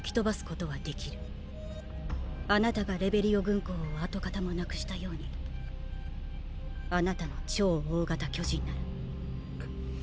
あなたがレベリオ軍港を跡形もなくしたようにあなたの「超大型巨人」なら。